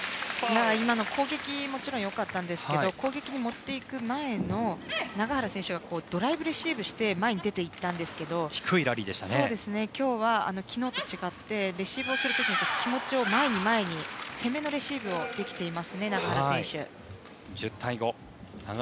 今の攻撃ももちろん良かったですが攻撃に持っていく前永原選手がドライブレシーブをして前に出て行ったんですが今日は、昨日と違ってレシーブする時気持ちを前に、前に攻めのレシーブができています永原選手。